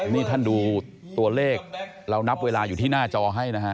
นี่ท่านดูตัวเลขเรานับเวลาอยู่ที่หน้าจอให้นะฮะ